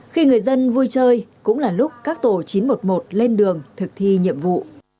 khi người dân vui chơi cũng là lúc các tổ chín trăm một mươi một lên đường thực thi nhiệm vụ